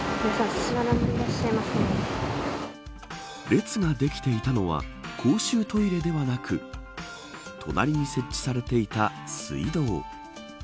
列ができていたのは公衆トイレではなく隣に設置されていた水道。